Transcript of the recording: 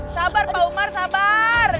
sabar pak umar sabar